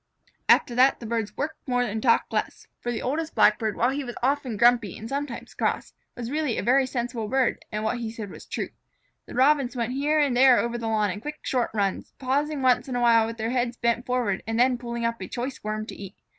After that the birds worked more and talked less, for the Oldest Blackbird, while he was often grumpy and sometimes cross, was really a very sensible bird, and what he had said was true. The Robins went here and there over the lawn in quick, short runs, pausing once in a while with their heads bent forward and then pulling up choice Worms to eat.